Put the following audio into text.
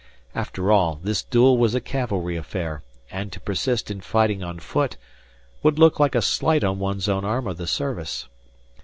After all, this duel was a cavalry affair, and to persist in fighting on foot would look like a slight on one's own arm of the service.